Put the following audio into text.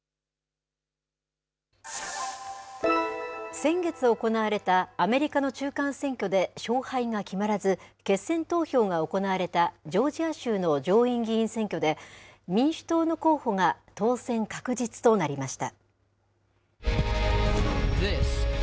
先月行われたアメリカの中間選挙で勝敗が決まらず、決選投票が行われたジョージア州の上院議員選挙で、民主党の候補が当選確実となりました。